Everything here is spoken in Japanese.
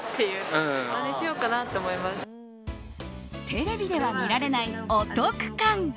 テレビでは見られないお得感。